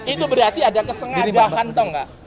itu berarti ada kesengajaan atau enggak